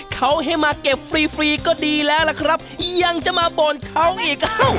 เขาให้มาเก็บฟรีฟรีก็ดีแล้วล่ะครับยังจะมาบ่นเขาอีกอ้าว